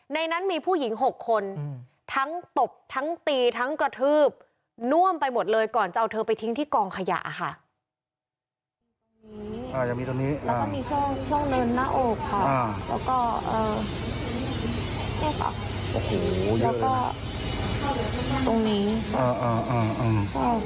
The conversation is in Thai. นี่ค่ะแล้วก็ตรงนี้หกคนรุมหนึ่ง